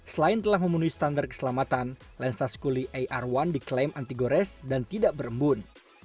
selain telah memenuhi standar keselamatan lensa skuli ar satu diklaim anti gores dan tidak berembun